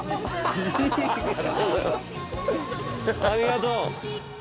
ありがとう。